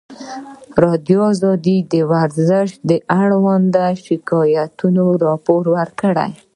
ازادي راډیو د ورزش اړوند شکایتونه راپور کړي.